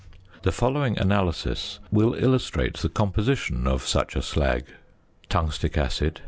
The following analysis will illustrate the composition of such a slag: Tungstic acid 1.